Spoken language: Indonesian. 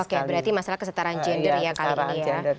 oke berarti masalah kesetaraan gender ya kali ini ya